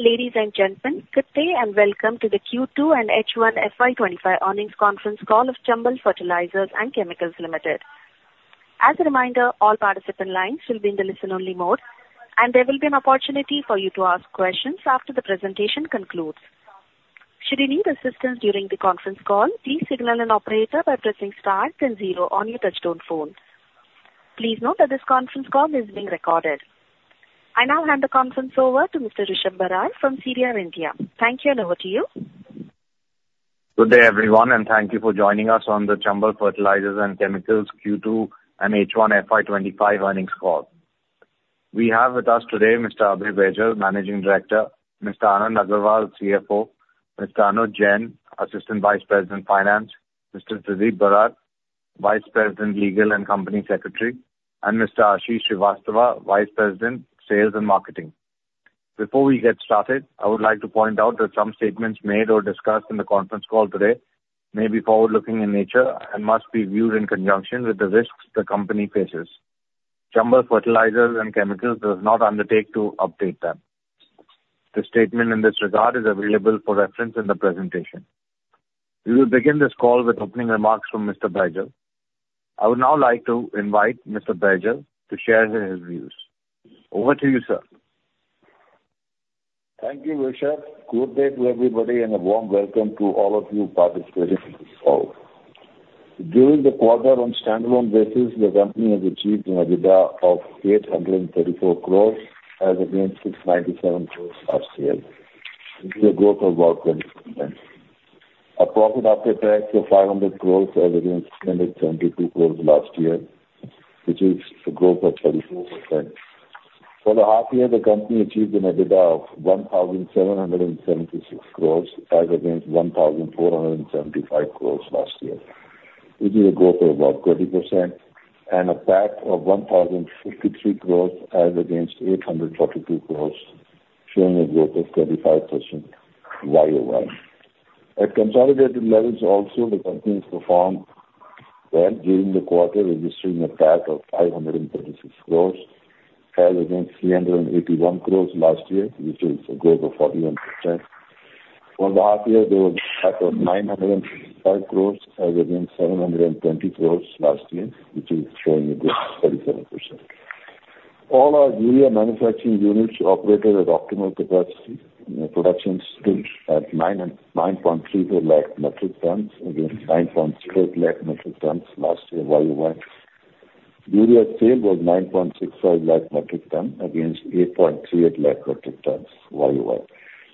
Ladies and gentlemen, good day and welcome to the Q2 and H1 FY25 earnings conference call of Chambal Fertilisers and Chemicals Limited. As a reminder, all participant lines will be in the listen-only mode, and there will be an opportunity for you to ask questions after the presentation concludes. Should you need assistance during the conference call, please signal an operator by pressing star then zero on your touch-tone phone. Please note that this conference call is being recorded. I now hand the conference over to Mr. Rishabh Barar from CDR India. Thank you and over to you. Good day, everyone, and thank you for joining us on the Chambal Fertilisers and Chemicals Q2 and H1 FY25 earnings call. We have with us today Mr. Abhay Baijal, Managing Director, Mr. Anand Agarwal, CFO, Mr. Anuj Jain, Assistant Vice President Finance, Mr. Tridib Barat, Vice President Legal and Company Secretary, and Mr. Ashish Srivastava, Vice President Sales and Marketing. Before we get started, I would like to point out that some statements made or discussed in the conference call today may be forward-looking in nature and must be viewed in conjunction with the risks the company faces. Chambal Fertilisers and Chemicals does not undertake to update them. The statement in this regard is available for reference in the presentation. We will begin this call with opening remarks from Mr. Baijal. I would now like to invite Mr. Baijal to share his views. Over to you, sir. Thank you, Rishabh. Good day to everybody and a warm welcome to all of you participating in this call. During the quarter, on a standalone basis, the company has achieved an EBITDA of 834 crores as against 697 crores last year, which is a growth of about 20%. Our profit after tax of 500 crores as against 672 crores last year, which is a growth of 34%. For the half-year, the company achieved an EBITDA of 1,776 crores as against 1,475 crores last year, which is a growth of about 30%, and a PAC of 1,053 crores as against 842 crores, showing a growth of 35% YOY. At consolidated levels, also, the company has performed well during the quarter, registering a PAT of 536 crores as against 381 crores last year, which is a growth of 41%. For the half-year, there was a PAC of 965 crores as against 720 crores last year, which is showing a growth of 37%. All our Urea manufacturing units operated at optimal capacity. Production stood at 9.34 lakh metric tons against 9.88 lakh metric tons last year YOY. Urea sale was 9.65 lakh metric tons against 8.38 lakh metric tons YOY.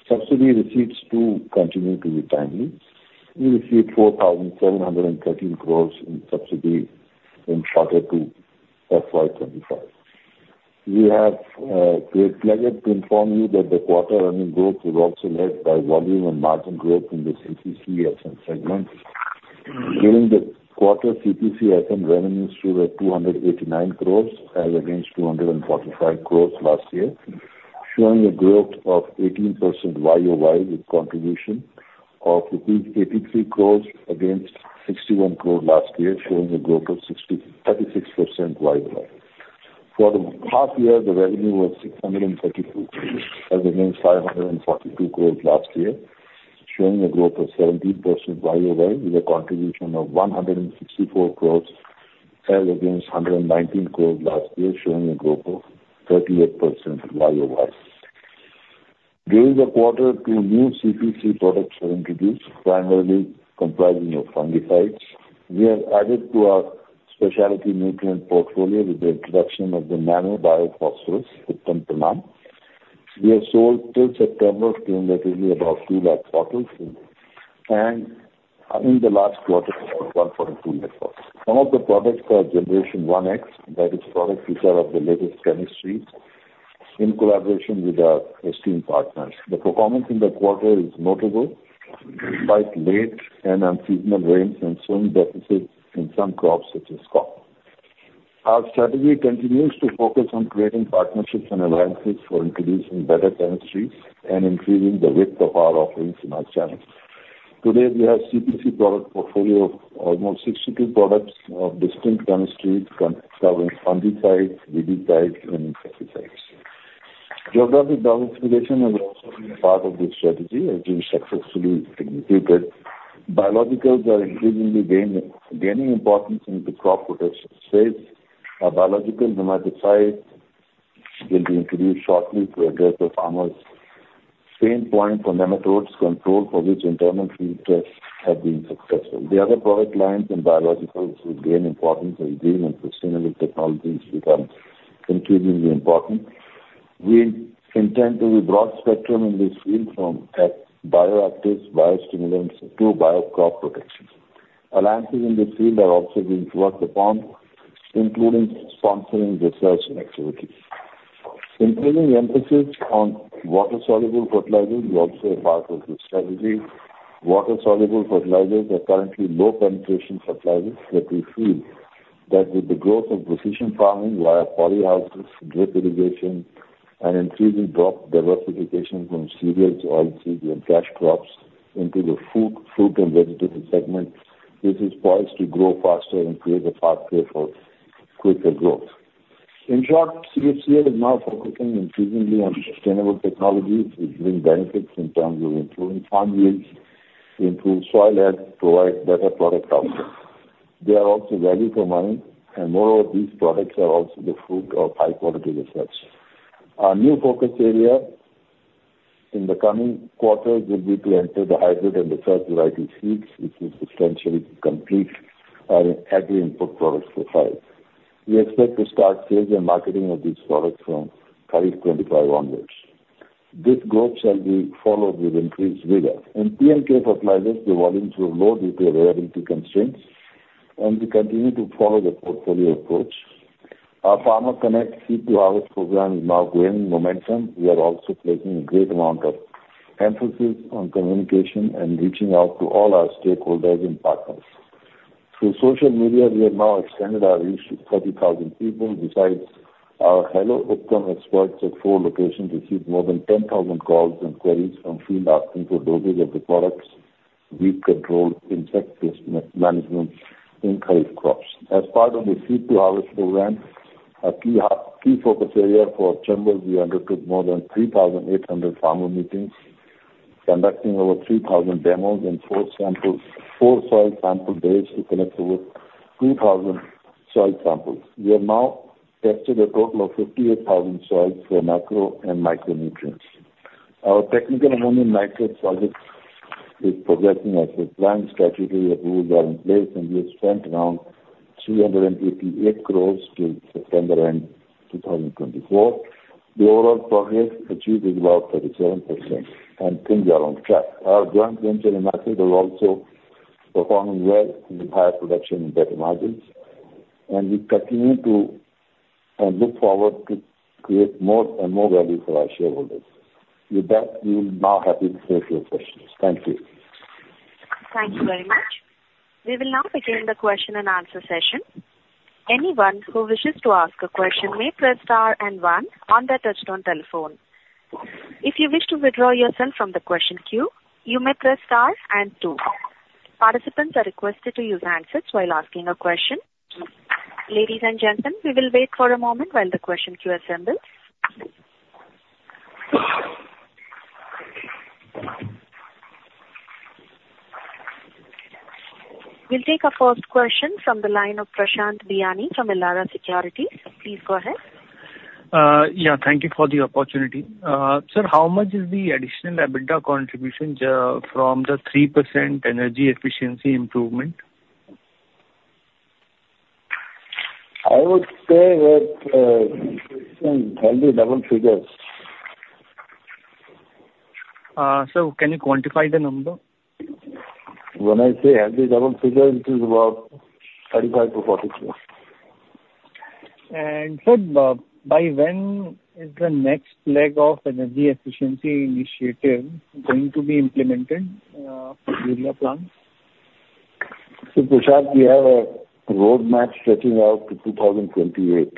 Subsidy receipts do continue to be timely. We received 4,713 crores in subsidy in quarter two FY25. We have great pleasure to inform you that the quarter earnings growth was also led by volume and margin growth in the CPCSM segment. During the quarter, CPC & SN revenues stood at 289 crores as against 245 crores last year, showing a growth of 18% YOY with contribution of rupees 83 crores against 61 crores last year, showing a growth of 36% YOY. For the half-year, the revenue was 632 crores as against 542 crores last year, showing a growth of 17% YOY with a contribution of 164 crores as against 119 crores last year, showing a growth of 38% YOY. During the quarter, two new CPC products were introduced, primarily comprising fungicides. We have added to our specialty nutrient portfolio with the introduction of the nano biophosphorus with Tempranom. We have sold till September cumulatively about 2 lakh bottles, and in the last quarter, 142 lakh bottles. Some of the products are Generation 1X, that is, products which are of the latest chemistry in collaboration with our esteemed partners. The performance in the quarter is notable, despite late and unseasonal rains and sun deficits in some crops such as corn. Our strategy continues to focus on creating partnerships and alliances for introducing better chemistries and improving the width of our offerings in our channels. Today, we have a CPC product portfolio of almost 62 products of distinct chemistries covering fungicides, weedicides, and insecticides. Geographic diversification has also been part of this strategy, as we've successfully executed. Biologicals are increasingly gaining importance in the crop protection space. Biological nematicides will be introduced shortly to address the farmer's pain point for nematodes control, for which internal field tests have been successful. The other product lines and biologicals will gain importance as green and sustainable technologies become increasingly important. We intend to do broad spectrum in this field from bioactives, biostimulants, to biocrop protection. Alliances in this field are also being worked upon, including sponsoring research activities. Including emphasis on water-soluble fertilizers is also a part of this strategy. Water-soluble fertilizers are currently low-penetration fertilizers that we feel that with the growth of precision farming via polyhouses, drip irrigation, and increasing crop diversification from cereals, oilseeds, and cash crops into the fruit and vegetable segment, this is poised to grow faster and create a pathway for quicker growth. In short, CFCL is now focusing increasingly on sustainable technologies, which bring benefits in terms of improving farm yields, improved soil health, and provide better product outcomes. They are also value for money, and moreover, these products are also the fruit of high-quality research. Our new focus area in the coming quarters will be to enter the hybrid and research variety seeds, which will substantially complete our agri-input product profile. We expect to start sales and marketing of these products from Q25 onwards. This growth shall be followed with increased vigor. In P&K fertilizers, the volumes were low due to availability constraints, and we continue to follow the portfolio approach. Our Farmer Connect seed-to-harvest program is now gaining momentum. We are also placing a great amount of emphasis on communication and reaching out to all our stakeholders and partners. Through social media, we have now extended our reach to 30,000 people. Besides, our Hello Uttam experts at four locations received more than 10,000 calls and queries from field asking for doses of the products, weed control, insect management, and in-house crops. As part of the seed-to-harvest program, a key focus area for Chambal, we undertook more than 3,800 farmer meetings, conducting over 3,000 demos in four soil sample days to collect over 2,000 soil samples. We have now tested a total of 58,000 soils for macro and micronutrients. Our Technical Ammonium Nitrate project is progressing as the planned strategic approvals are in place, and we have spent around 388 crores till September end 2024. The overall progress achieved is about 37%, and things are on track. Our joint venture in IMACID has also performed well with higher production and better margins, and we continue to look forward to create more and more value for our shareholders. With that, we will now happily take your questions. Thank you. Thank you very much. We will now begin the question and answer session. Anyone who wishes to ask a question may press star and one on their touch-tone telephone. If you wish to withdraw yourself from the question queue, you may press star and two. Participants are requested to use handsets while asking a question. Ladies and gentlemen, we will wait for a moment while the question queue assembles. We'll take a first question from the line of Prashant Biyani from Elara Securities. Please go ahead. Yeah, thank you for the opportunity. Sir, how much is the additional EBITDA contribution from the 3% energy efficiency improvement? I would say that it's in healthy double figures. Sir, can you quantify the number? When I say healthy double figures, it is about INR 35-40 crores. Sir, by when is the next leg of the energy efficiency initiative going to be implemented for Urea Plant? Prashant, we have a roadmap stretching out to 2028,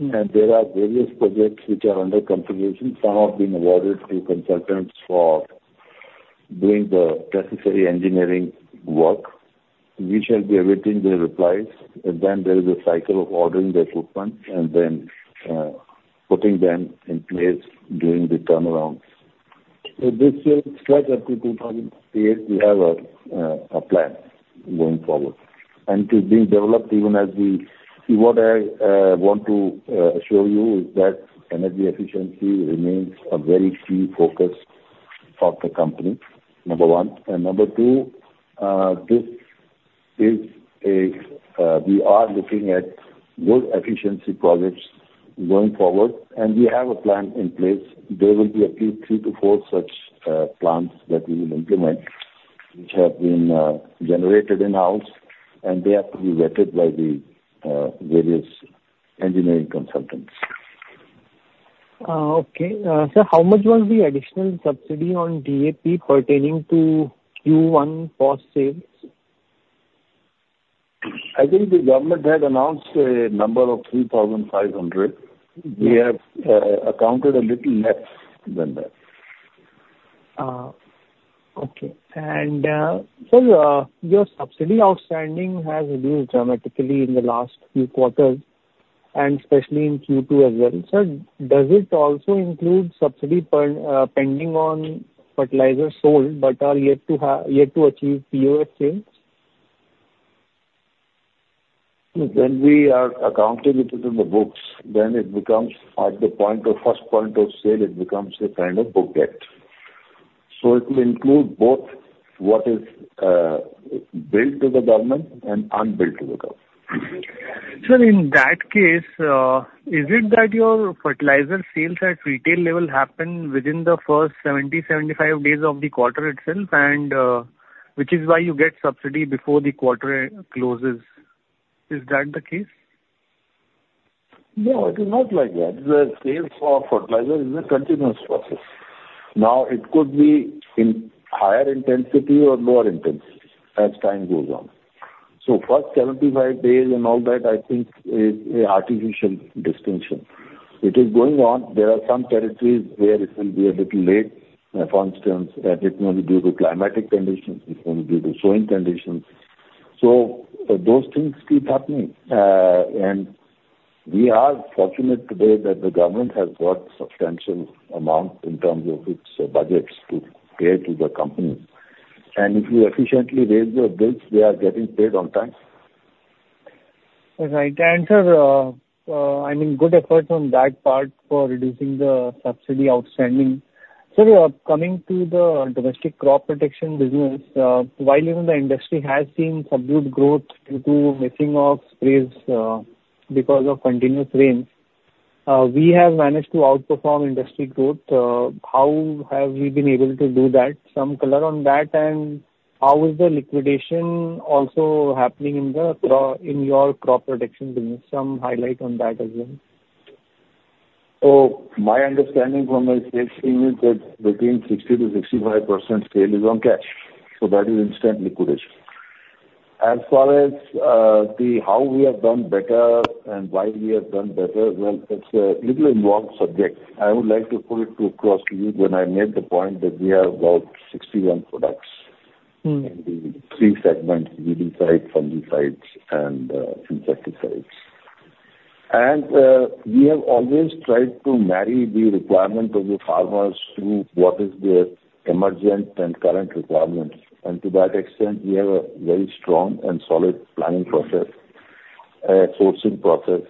and there are various projects which are under consideration. Some have been awarded to consultants for doing the necessary engineering work. We shall be awaiting the replies, and then there is a cycle of ordering the equipment and then putting them in place during the turnaround. So this will stretch up to 2028. We have a plan going forward, and it is being developed even as we. What I want to assure you is that energy efficiency remains a very key focus of the company, number one. And number two, this is a we are looking at good efficiency projects going forward, and we have a plan in place. There will be at least three to four such plants that we will implement, which have been generated in-house, and they have to be vetted by the various engineering consultants. Okay. Sir, how much was the additional subsidy on DAP pertaining to Q1 POS savings? I think the government had announced a number of 3,500. We have accounted a little less than that. Okay. And sir, your subsidy outstanding has reduced dramatically in the last few quarters, and especially in Q2 as well. Sir, does it also include subsidy pending on fertilizers sold but are yet to achieve POS savings? When we are accounting it into the books, then it becomes at the point of first point of sale, it becomes a kind of book debt. So it will include both what is billed to the government and unbilled to the government. Sir, in that case, is it that your fertilizer sales at retail level happen within the first 70-75 days of the quarter itself, which is why you get subsidy before the quarter closes? Is that the case? No, it is not like that. The sales for fertilizer is a continuous process. Now, it could be in higher intensity or lower intensity as time goes on. So first 75 days and all that, I think, is an artificial distinction. It is going on. There are some territories where it will be a little late. For instance, it may be due to climatic conditions. It may be due to soil conditions. So those things keep happening. And we are fortunate today that the government has got substantial amounts in terms of its budgets to pay to the companies. And if you efficiently raise your bills, they are getting paid on time. Right, and sir, I mean, good efforts on that part for reducing the subsidy outstanding. Sir, coming to the domestic crop protection business, while even the industry has seen subdued growth due to missing of sprays because of continuous rains, we have managed to outperform industry growth. How have we been able to do that? Some color on that, and how is the liquidation also happening in your crop protection business? Some highlight on that as well. So my understanding from my sales team is that between 60%-65% sale is on cash. So that is instant liquidation. As far as how we have done better and why we have done better, well, it's a little involved subject. I would like to put it across to you when I made the point that we have about 61 products in the three segments: weedicides, fungicides, and insecticides. And we have always tried to marry the requirement of the farmers to what is the emergent and current requirements. And to that extent, we have a very strong and solid planning process, sourcing process,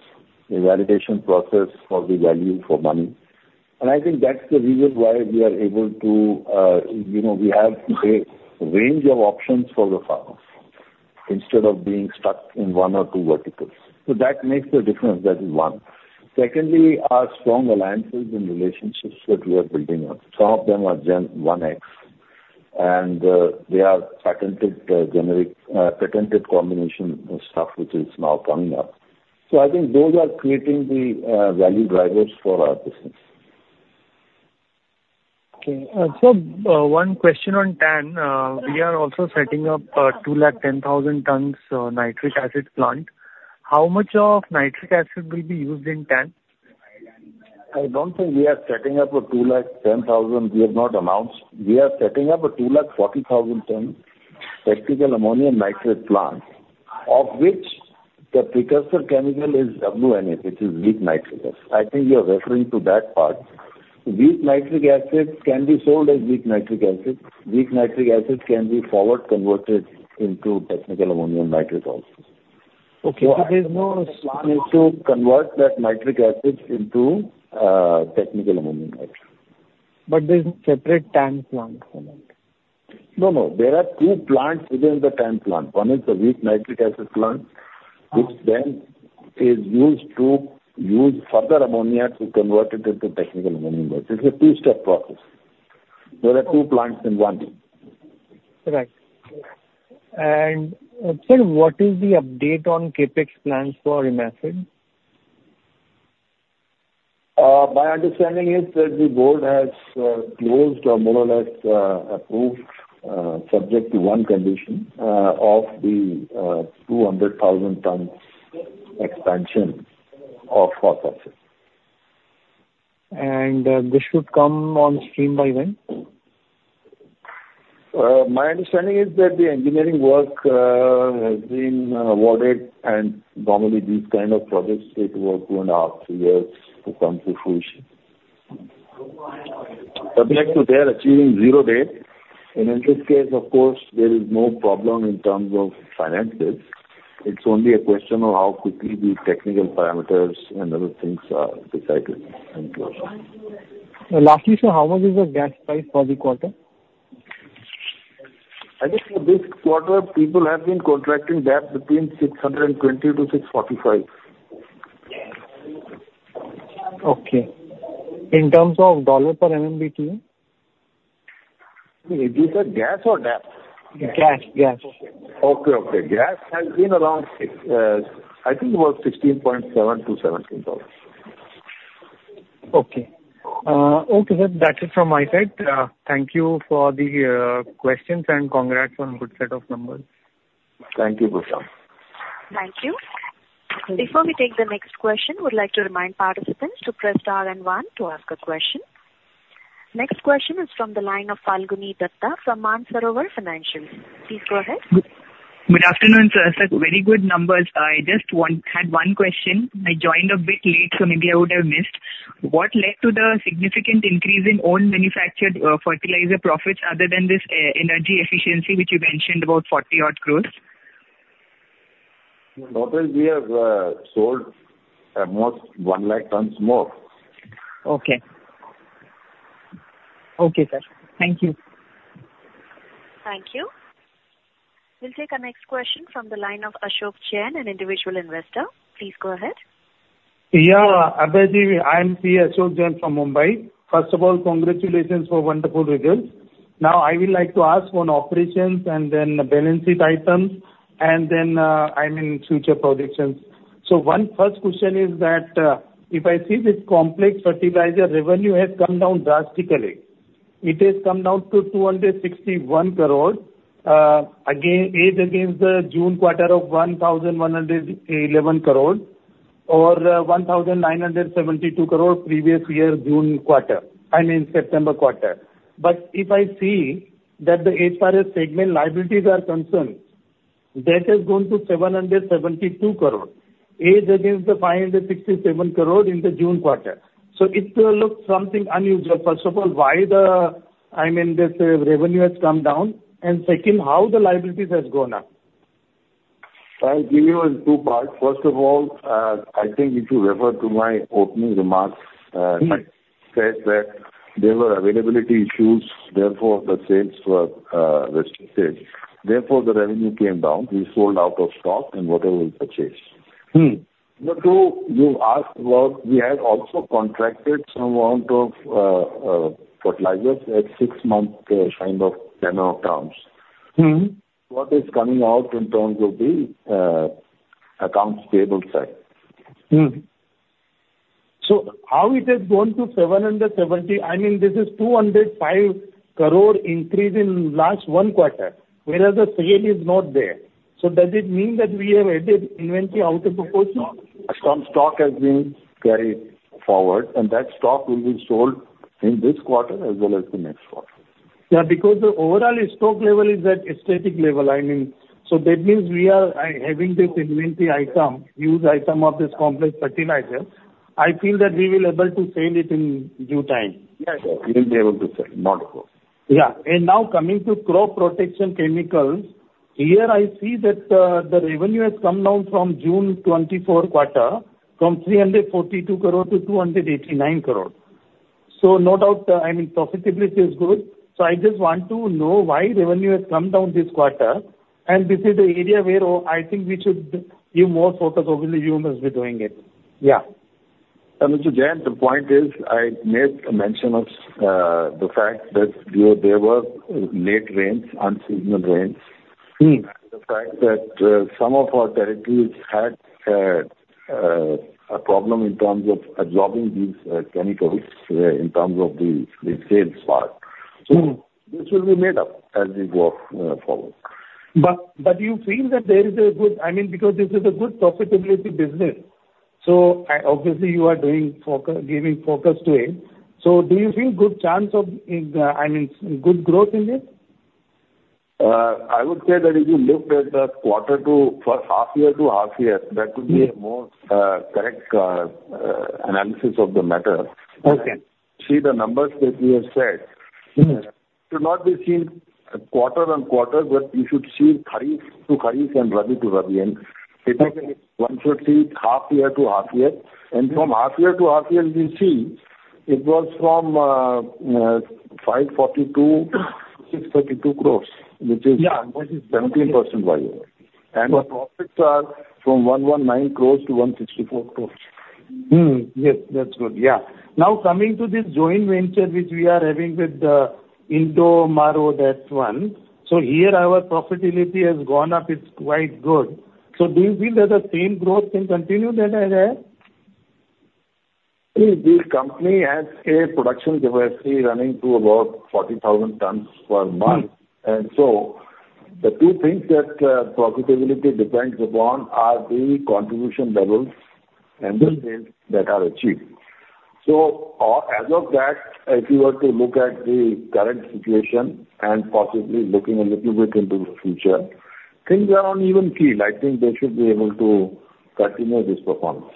evaluation process for the value for money. And I think that's the reason why we are able to have a range of options for the farmers instead of being stuck in one or two verticals. So that makes the difference, that is one. Secondly, our strong alliances and relationships that we are building on. Some of them are Gen 1X, and they are patented combination stuff, which is now coming up. So I think those are creating the value drivers for our business. Okay. Sir, one question on TAN. We are also setting up 210,000 tons nitric acid plant. How much of nitric acid will be used in TAN? I don't think we are setting up a 210,000. We have not announced. We are setting up a 240,000 tons technical ammonium nitrate plant, of which the precursor chemical is WNA, which is weak nitric acid. I think you're referring to that part. Weak nitric acid can be sold as weak nitric acid. Weak nitric acid can be forward-converted into technical ammonium nitrate also. Okay. So there's no plan. The plan is to convert that nitric acid into technical ammonium nitrate. But there's a separate TAN plant for that. No, no. There are two plants within the TAN plant. One is the weak nitric acid plant, which then is used to use further ammonia to convert it into technical ammonium nitrate. It's a two-step process. There are two plants in one. Right, and sir, what is the update on CAPEX plans for IMACID? My understanding is that the board has closed or more or less approved, subject to one condition, of the 200,000 tons expansion of phosphoric acid. This should come on stream by when? My understanding is that the engineering work has been awarded, and normally these kind of projects take about two and a half, three years to come to fruition. Subject to they are achieving zero days. And in this case, of course, there is no problem in terms of finances. It's only a question of how quickly the technical parameters and other things are decided and closed. Lastly, sir, how much is the gas price for the quarter? I think for this quarter, people have been contracting DAP between $620-$645. Okay. In terms of $ per MMBtu? Is this a gas or DAP? Gas. Gas. Okay. Okay. Gas has been around, I think, about $16.7-$17. Okay. Okay, sir. That's it from my side. Thank you for the questions and congrats on a good set of numbers. Thank you, Prashant. Thank you. Before we take the next question, we'd like to remind participants to press star and one to ask a question. Next question is from the line of Phalguni Datta from Mansarovar Financial Services. Please go ahead. Good afternoon, sir. Sir, very good numbers. I just had one question. I joined a bit late, so maybe I would have missed. What led to the significant increase in owned manufactured fertilizer profits other than this energy efficiency, which you mentioned about 40-odd crores? Not only we have sold almost 1 lakh tons more. Okay. Okay, sir. Thank you. Thank you. We'll take a next question from the line of Ashok Jain, an individual investor. Please go ahead. Yeah, Abhay Baijal. I'm Ashok Jain from Mumbai. First of all, congratulations for wonderful results. Now, I would like to ask on operations and then balance sheet items, and then I mean, future projections. So one first question is that if I see this complex fertilizer revenue has come down drastically. It has come down to 261 crores, as against the June quarter of 1,111 crores or 1,972 crores previous year June quarter, I mean, September quarter. But if I see that the HRS segment liabilities are concerned, that has gone to 772 crores, as against the 567 crores in the June quarter. So it looks something unusual. First of all, why the, I mean, this revenue has come down? And second, how the liabilities has gone up? I'll give you in two parts. First of all, I think if you refer to my opening remarks, it says that there were availability issues. Therefore, the sales were restricted. Therefore, the revenue came down. We sold out of stock and whatever we purchased. Number two, you asked about we had also contracted some amount of fertilizers at six-month kind of tenor terms. What is coming out in terms of the accounts payable side? So how it has gone to 770, I mean, this is 205 crores increase in last one quarter, whereas the sale is not there. So does it mean that we have added inventory out of proportion? Some stock has been carried forward, and that stock will be sold in this quarter as well as the next quarter. Yeah, because the overall stock level is at static level. I mean, so that means we are having this inventory item, used item of this complex fertilizer. I feel that we will be able to sell it in due time. Yes, we'll be able to sell. Not, of course. Yeah. And now coming to crop protection chemicals, here I see that the revenue has come down from June 2024 quarter from 342 crores to 289 crores. So no doubt, I mean, profitability is good. So I just want to know why revenue has come down this quarter. And this is the area where I think we should give more focus over the UMSB doing it. Yeah Ashok Jain, the point is I made a mention of the fact that there were late rains, unseasonal rains, and the fact that some of our territories had a problem in terms of absorbing these chemicals in terms of the sales part, so this will be made up as we go forward. But do you feel that there is a good, I mean, because this is a good profitability business. So obviously, you are giving focus to it. So do you think good chance of, I mean, good growth in it? I would say that if you look at the quarter to half year to half year, that would be a more correct analysis of the matter. Okay. See the numbers that you have said. It should not be seen quarter on quarter, but you should see Q1 to Q1 and Q2 to Q2. Typically, one should see it half year to half year. From half year to half year, you see it was from 542 to 632 crores, which is 17% value. The profits are from 119 crores to 164 crores. Yes. That's good. Yeah. Now, coming to this joint venture which we are having with Indo Maroc Phosphore, so here our profitability has gone up. It's quite good. So do you feel that the same growth can continue that I have? This company has a production capacity running to about 40,000 tons per month, and so the two things that profitability depends upon are the contribution levels and the sales that are achieved, so as of that, if you were to look at the current situation and possibly looking a little bit into the future, things are on an even keel. I think they should be able to continue this performance.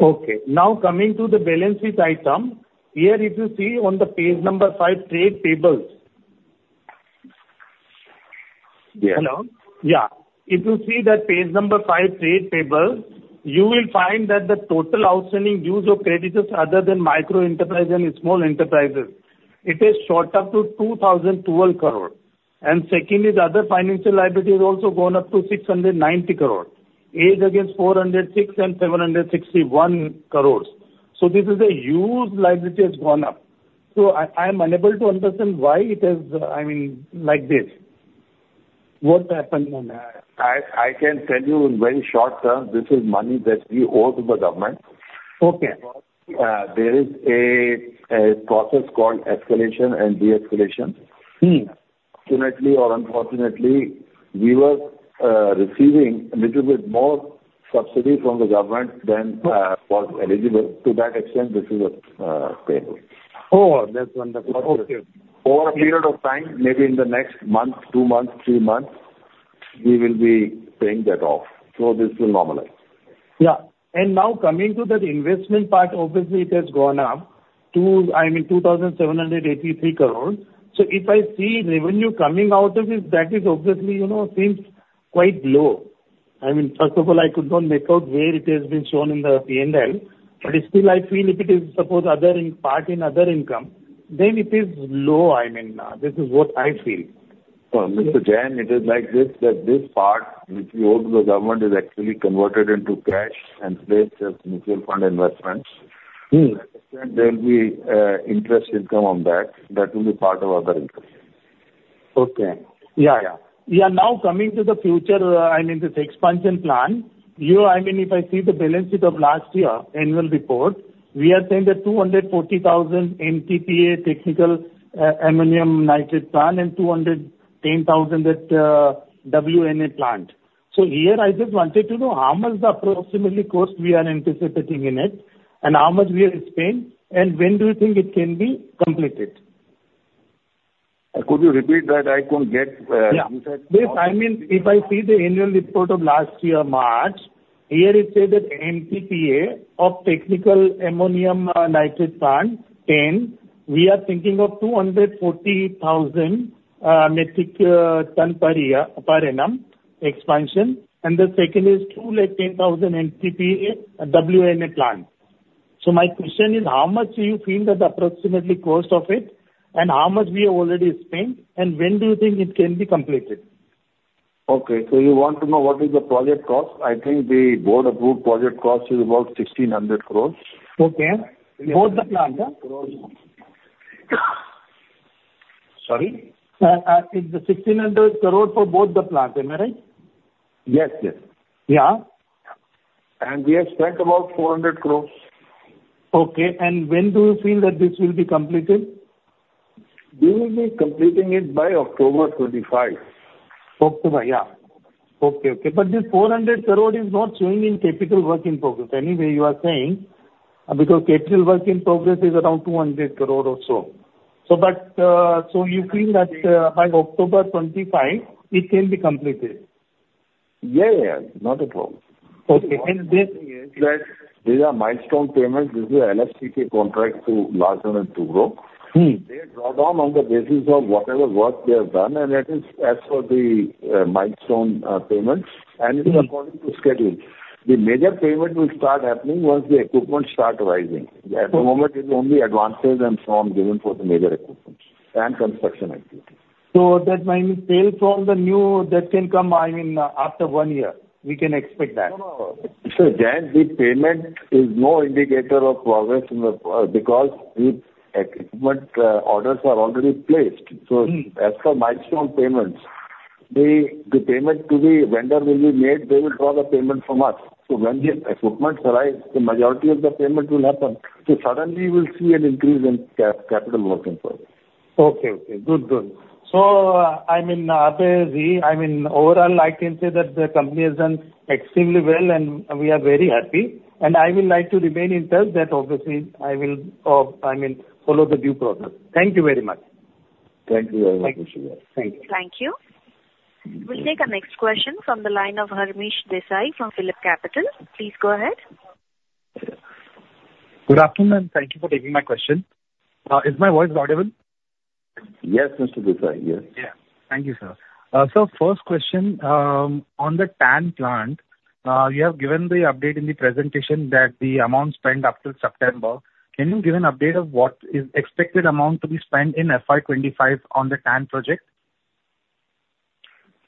Okay. Now, coming to the balance sheet item, here if you see on page number five, trade payables. Yes. Hello? Yeah. If you see that page number five, trade payables, you will find that the total outstanding dues of creditors, other than micro enterprises and small enterprises, it has shot up to 2,012 crores. And secondly, the other financial liability has also gone up to 690 crores, as against 406 and 761 crores. So this is a huge liability that has gone up. So I am unable to understand why it has, I mean, like this. What happened? I can tell you in very short term, this is money that we owe to the government. Okay. There is a process called escalation and de-escalation. Fortunately or unfortunately, we were receiving a little bit more subsidy from the government than was eligible. To that extent, this is a payable. Oh, that's wonderful. Over a period of time, maybe in the next month, two months, three months, we will be paying that off. So this will normalize. Yeah. And now coming to that investment part, obviously, it has gone up to, I mean, 2,783 crores. So if I see revenue coming out of it, that is obviously seems quite low. I mean, first of all, I could not make out where it has been shown in the P&L, but still, I feel if it is, suppose, part in other income, then it is low. I mean, this is what I feel. Mr. Jain, it is like this that this part which we owe to the government is actually converted into cash and placed as mutual fund investments. To that extent, there will be interest income on that. That will be part of other interest. Now, coming to the future, I mean, this expansion plan, I mean, if I see the balance sheet of last year, annual report, we are saying that 240,000 MTPA Technical Ammonium Nitrate plant and 210,000 that WNA plant. So here I just wanted to know how much the approximately cost we are anticipating in it and how much we have spent, and when do you think it can be completed? Could you repeat that? I couldn't get you said. Yes. I mean, if I see the annual report of last year, March, here it says that 10 MTPA Technical Ammonium Nitrate plant, we are thinking of 240,000 metric ton per annum expansion, and the second is 210,000 MTPA WNA plant. So my question is, how much do you feel that approximate cost of it, and how much we have already spent, and when do you think it can be completed? Okay. So you want to know what is the project cost? I think the board-approved project cost is about 1,600 crores. Okay. Both the plant? Crores. Sorry? Is the 1,600 crores for both the plants, am I right? Yes, yes. Yeah? We have spent about 400 crore. Okay. And when do you feel that this will be completed? We will be completing it by October 25. October, yeah. Okay, okay. But this 400 crores is not showing in capital work in progress. Anyway, you are saying because capital work in progress is around 200 crores or so. So you feel that by October 25, it can be completed? Yeah, yeah. Not at all. Okay. And this. These are milestone payments. This is an LSTK contract to Larsen and Toubro. They draw down on the basis of whatever work they have done, and that is as for the milestone payments, and it is according to schedule. The major payment will start happening once the equipment start arising. At the moment, it's only advances and so on given for the major equipment and construction activities. So that, I mean, sales from the new that can come, I mean, after one year. We can expect that. No, no, no. Sir, Mr. Jain, the payment is no indicator of progress because equipment orders are already placed. So as for milestone payments, the payment to the vendor will be made. They will draw the payment from us. So when the equipment arrives, the majority of the payment will happen. So suddenly, we'll see an increase in capital work in progress. Okay, okay. Good, good. So, I mean, Abhaydeep, I mean, overall, I can say that the company has done extremely well, and we are very happy. And I would like to remain in touch that, obviously, I will, I mean, follow the due process. Thank you very much. Thank you very much, Ashok Jain. Thank you. Thank you. We'll take a next question from the line of Harmish Desai from PhillipCapital. Please go ahead. Good afternoon. Thank you for taking my question. Is my voice audible? Yes, Mr. Desai, yes. Yeah. Thank you, sir. So first question, on the TAN plant, you have given the update in the presentation that the amount spent up till September. Can you give an update of what is expected amount to be spent in FY25 on the TAN project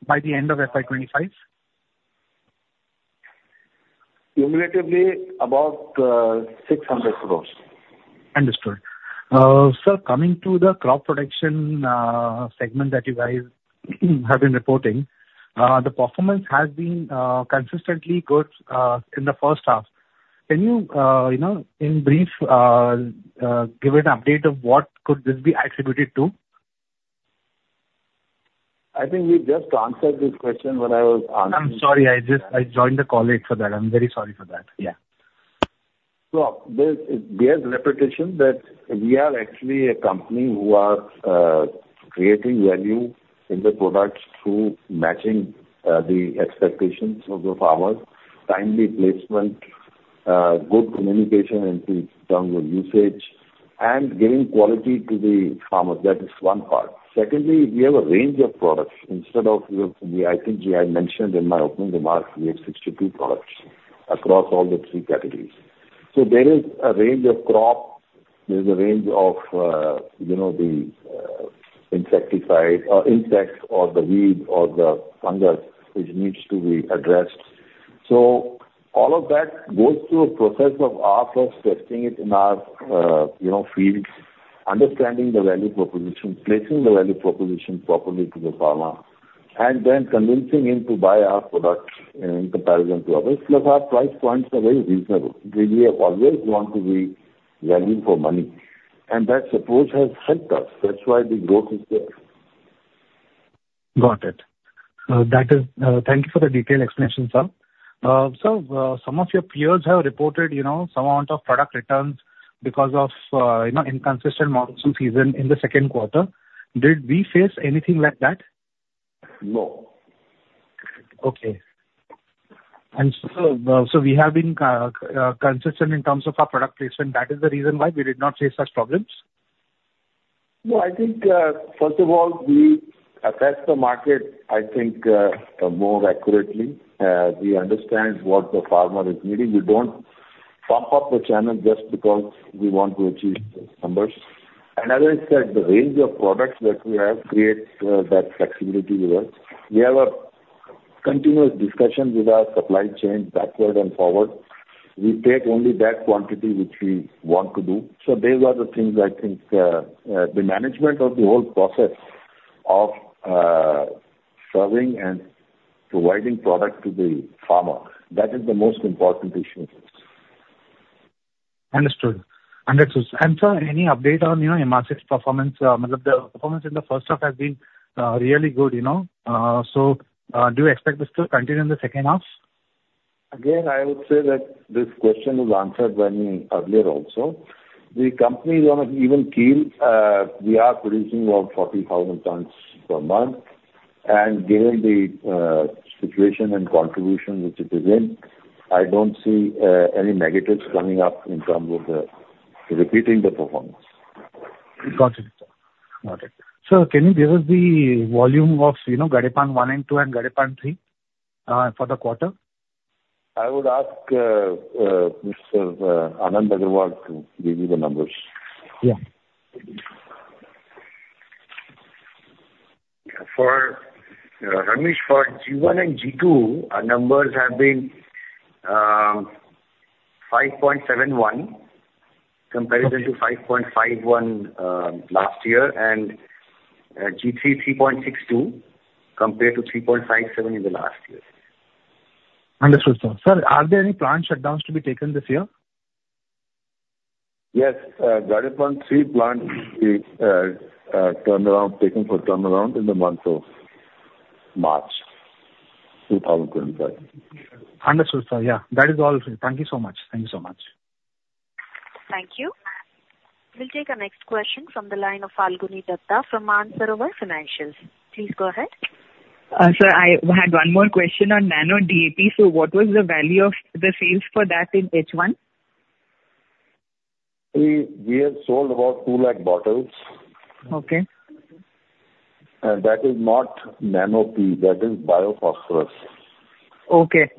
by the end of FY25? Cumulatively, about 600 crores. Understood. Sir, coming to the crop production segment that you guys have been reporting, the performance has been consistently good in the first half. Can you, in brief, give an update of what could this be attributed to? I think you just answered this question when I was asking. I'm sorry. I joined a colleague for that. I'm very sorry for that. Yeah. So there's reputation that we are actually a company who are creating value in the products through matching the expectations of the farmers, timely placement, good communication and terms of usage, and giving quality to the farmers. That is one part. Secondly, we have a range of products. Instead of, I think you had mentioned in my opening remarks, we have 62 products across all the three categories. So there is a range of crop. There's a range of the insecticide or insects or the weed or the fungus which needs to be addressed. So all of that goes through a process of our first testing it in our fields, understanding the value proposition, placing the value proposition properly to the farmer, and then convincing him to buy our product in comparison to others. Plus, our price points are very reasonable. We have always wanted to be value for money. And that support has helped us. That's why the growth is there. Got it. Thank you for the detailed explanation, sir. Sir, some of your peers have reported some amount of product returns because of inconsistent monsoon season in the 2Q. Did we face anything like that? No. Okay. And so we have been consistent in terms of our product placement. That is the reason why we did not face such problems? I think, first of all, we assess the market, I think, more accurately. We understand what the farmer is needing. We don't pump up the channel just because we want to achieve numbers. And as I said, the range of products that we have creates that flexibility with us. We have a continuous discussion with our supply chain backward and forward. We take only that quantity which we want to do. So those are the things I think the management of the whole process of serving and providing product to the farmer. That is the most important issue. Understood. Understood. And sir, any update on MR6 performance? The performance in the first half has been really good. So do you expect this to continue in the second half? Again, I would say that this question was answered by me earlier also. The company is on an even keel. We are producing about 40,000 tons per month. And given the situation and contribution which it is in, I don't see any negatives coming up in terms of repeating the performance. Got it. Got it. Sir, can you give us the volume of Gadepan 1 and 2 and Gadepan 3 for the quarter? I would ask Mr. Anand Agarwal to give you the numbers. Yeah. For Harmish, for G1 and G2, our numbers have been 5.71 compared to 5.51 last year, and G3, 3.62 compared to 3.57 in the last year. Understood, sir. Sir, are there any plant shutdowns to be taken this year? Yes. Gadepan 3 plant turnaround taken for turnaround in the month of March 2025. Understood, sir. Yeah. That is all. Thank you so much. Thank you so much. Thank you. We'll take a next question from the line of Phalguni Datta from Mansarovar Financial Services. Please go ahead. Sir, I had one more question on nano DAP. So what was the value of the sales for that in H1? We have sold about 2 lakh bottles. Okay. And that is not Nano P. That is Biophosphorus. Okay.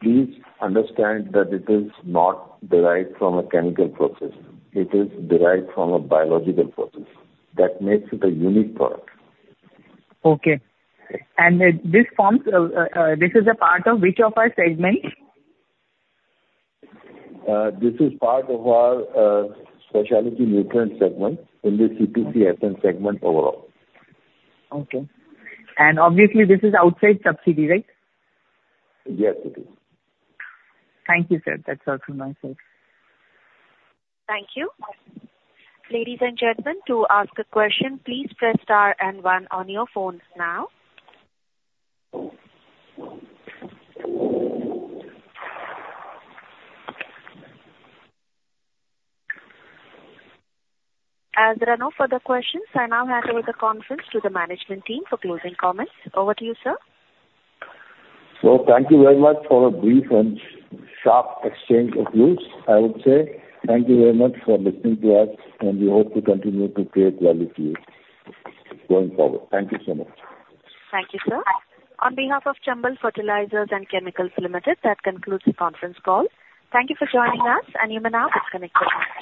Please understand that it is not derived from a chemical process. It is derived from a biological process. That makes it a unique product. Okay. And this is a part of which of our segment? This is part of our specialty nutrient segment in the CPCSM segment overall. Okay. And obviously, this is outside subsidy, right? Yes, it is. Thank you, sir. That's all from my side. Thank you. Ladies and gentlemen, to ask a question, please press star and one on your phones now. As there are no further questions, I now hand over the conference to the management team for closing comments. Over to you, sir. So thank you very much for a brief and sharp exchange of views, I would say. Thank you very much for listening to us, and we hope to continue to create value for you going forward. Thank you so much. Thank you, sir. On behalf of Chambal Fertilizers and Chemicals Limited, that concludes the conference call. Thank you for joining us, and you may now disconnect from the.